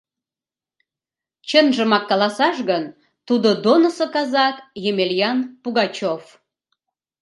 Чынжымак каласаш гын, тудо Донысо казак Емельян Пугачев.